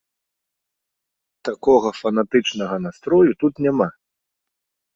Такога фанатычнага настрою тут няма.